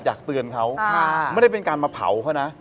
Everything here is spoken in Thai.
อยากเตือนเขาไม่ได้เป็นการมาเผาเขานะ